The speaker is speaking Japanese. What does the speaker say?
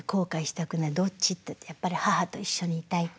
どっちっていうとやっぱり母と一緒にいたいと。